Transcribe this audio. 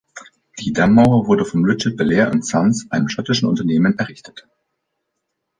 Die Dammmauer wurde von Richard Baillie and Sons, einem schottischen Unternehmen errichtet.